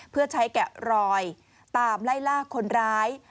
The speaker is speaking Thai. เพื่อใช้แกะรอยตามไล่ล่าคนร้าย